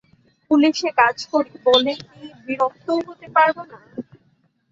পুলিশে কাজ করি বলে কি বিরক্তও হতে পারব না?